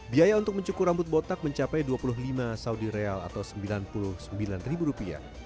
biaya untuk mencukur rambut botak mencapai dua puluh lima saudi rial atau sembilan puluh sembilan ribu rupiah